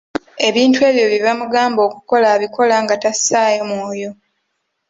Ebintu ebyo bye bamugamba okukola abikola nga tassaayo mwoyo.